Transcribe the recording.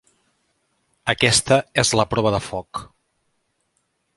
Aquesta és la prova de foc.